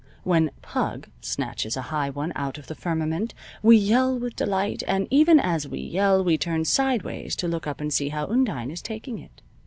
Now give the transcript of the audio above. When "Pug" snatches a high one out of the firmament we yell with delight, and even as we yell we turn sideways to look up and see how Undine is taking it.